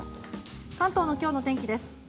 関東の今日の天気です。